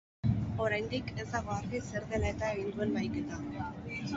Oraindik ez dago argi zer dela eta egin duen bahiketa.